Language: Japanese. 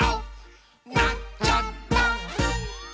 「なっちゃった！」